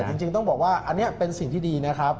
จริงต้องบอกว่าอันนี้เป็นสิ่งที่ดีนะครับ